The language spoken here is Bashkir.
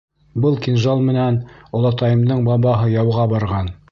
— Был кинжал менән олатайымдың бабаһы яуға барған.